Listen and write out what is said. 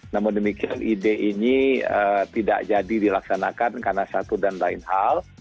namun demikian ide ini tidak jadi dilaksanakan karena satu dan lain hal